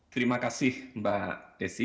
terima kasih mbak desi